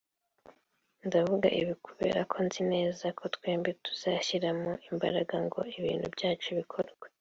ndavuga ibi kubera ko nzi neza ko twembi tuzashyiramo imbaraga ngo ibintu byinshi bikorwe